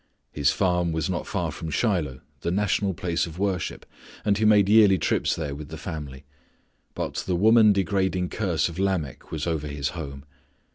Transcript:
His farm was not far from Shiloh, the national place of worship, and he made yearly trips there with the family. But the woman degrading curse of Lamech was over his home.